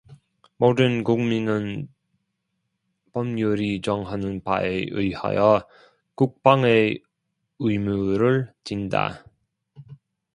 모든 국민은 법률이 정하는 바에 의하여 국방의 의무를 진다.